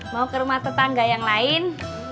mau ke rumah tetangga yang lain